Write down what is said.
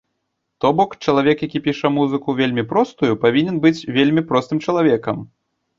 То бок, чалавек, які піша музыку вельмі простую, павінен быць вельмі простым чалавекам.